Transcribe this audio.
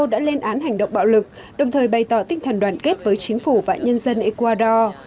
đã lên án hành động bạo lực đồng thời bày tỏ tinh thần đoàn kết với chính phủ và nhân dân ecuador